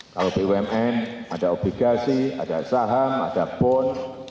kalau bumn ada obligasi ada saham ada bond